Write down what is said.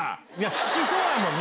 聞きそうやもんな。